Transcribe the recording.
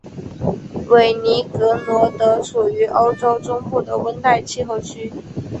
韦尼格罗德处于欧洲中部的温带气候区。